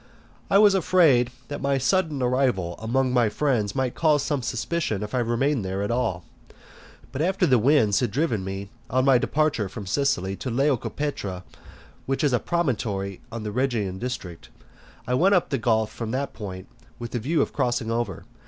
I was afraid that my sudden arrival among my friends might cause some suspicion if I remained there at all. But after the winds had driven me, on my departure from Sicily, to Leucopetra, which is a promontory of the Rhegian district, I went up the gulf from that point, with the view of crossing over.